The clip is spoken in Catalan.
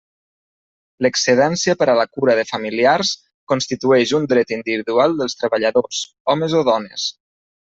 L'excedència per a la cura de familiars constitueix un dret individual dels treballadors, homes o dones.